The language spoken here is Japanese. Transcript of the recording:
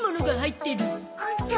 ホント？